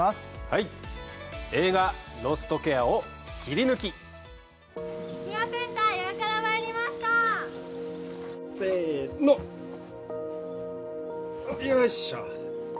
はい映画「ロストケア」をキリヌキケアセンター八賀から参りましたせのよいしょ